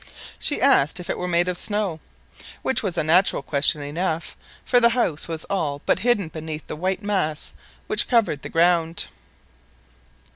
She asked if it were made of snow, which was a natural question enough, for the house was all but hidden beneath the white mass which covered the ground.